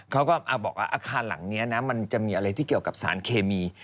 เขาก็บอกว่าอาคารหลังนี้นะมันจะมีอะไรที่เกี่ยวกับสารเคมี